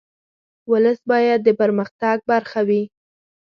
ولس باید د پرمختګ برخه وي.